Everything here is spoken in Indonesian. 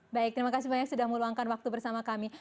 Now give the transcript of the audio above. baik terima kasih banyak sudah meluangkan waktu bersama kami